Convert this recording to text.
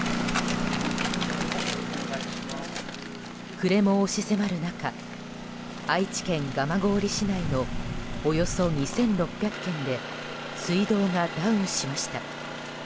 暮れも押し迫る中愛知県蒲郡市内のおよそ２６００軒で水道がダウンしました。